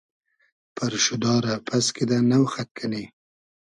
پئرشودا رۂ پئس کیدۂ نۆ خئد کئنی